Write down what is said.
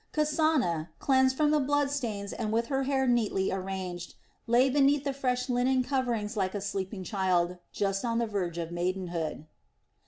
Kasana, cleansed from the blood stains and with her hair neatly arranged, lay beneath the fresh linen coverings like a sleeping child just on the verge of maidenhood.